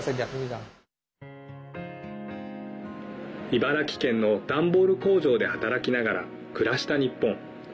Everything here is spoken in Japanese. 茨城県の段ボール工場で働きながら暮らした日本。